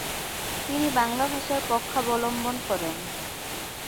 তিনি বাংলা ভাষার পক্ষাবলম্বন করেন।